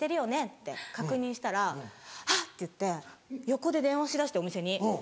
って確認したら「はっ」て言って横で電話し出してお店に。